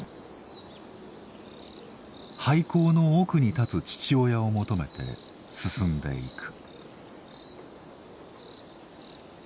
廃鉱の奥に立つ父親を求めて進んでいく。